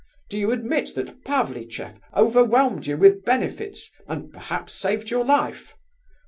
Do you admit that Pavlicheff overwhelmed you with benefits, and perhaps saved your life?